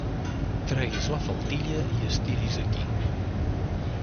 Tregui's la faldilla i estiri's aquí.